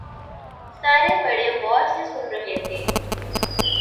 سارے بڑے غور سے سن رہے تھے